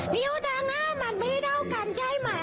ดิวธานามันไม่เดิกันใช่ไหม